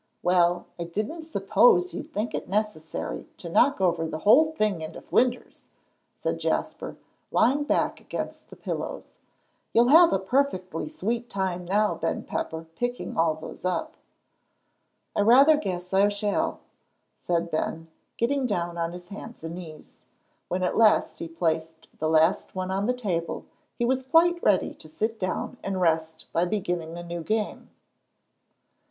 "Well, I didn't suppose you'd think it necessary to knock over the whole thing into flinders," said Jasper, and lying back against the pillows. "You'll have a perfectly sweet time, now, Ben Pepper, picking all those up." "I rather guess I shall," said Ben, getting down on his hands and knees. When at last he placed the last one on the table he was quite ready to sit down and rest by beginning a new game.